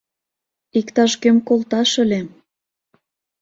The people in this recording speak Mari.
— Иктаж-кӧм колташ ыле.